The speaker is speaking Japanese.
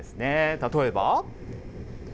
例えば。